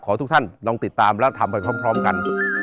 ทุกท่านลองติดตามและทำไปพร้อมกัน